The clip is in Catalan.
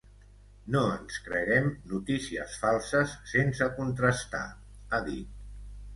No ens creguem notícies falses sense contrastar, ha dit.